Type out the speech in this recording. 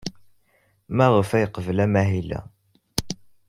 Maɣef ay yeqbel amahil-a?